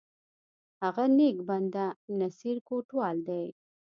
هغه نیک بنده، نصیر کوټوال دی!